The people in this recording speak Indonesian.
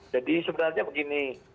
jadi sebenarnya begini